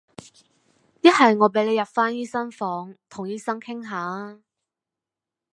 一係我俾你入返醫生房同醫生傾吓呀